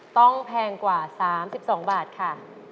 ต้องแพงกว่า๓๒บาทค่ะ